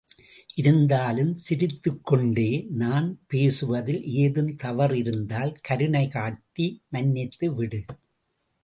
இருந்தாலும் சிரித்துக் கொண்டே, நான் பேசுவதில் ஏதும் தவறிருந்தால், கருணைகாட்டி மன்னித்து விடு.